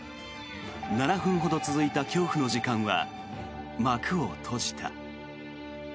７分ほど続いた恐怖の時間は幕を閉じた。